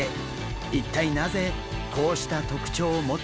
一体なぜこうした特徴を持つようになったのか。